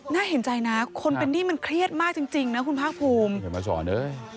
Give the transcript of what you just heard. น่าเห็นใจนะคนเป็นหนี้มันเครียดมากจริงนะคุณภาคภูมิเห็นมาสอนเอ้ย